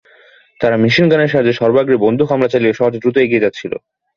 তারা মেশিন গানের সাহায্যে সর্বাগ্রে বন্দুক হামলা চালিয়ে সহজে দ্রুত এগিয়ে গিয়াছিল।